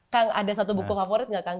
kang ada satu buku favorit nggak kang